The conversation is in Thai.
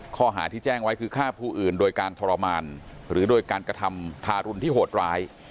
ข้อหาที่แจ้งไว้คือฆ่าผู้อื่นโดยการทรมานหรือโดยการกระทำทารุณที่โหดร้าย